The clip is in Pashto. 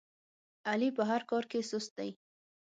علي په هر کار کې سست دی.